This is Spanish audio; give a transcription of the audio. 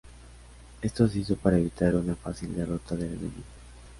Esto se hizo para evitar una fácil derrota del enemigo.